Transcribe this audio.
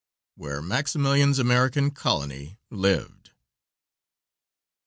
WHERE MAXIMILIAN'S AMERICAN COLONY LIVED.